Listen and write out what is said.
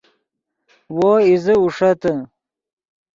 وو ایزے اوݰتے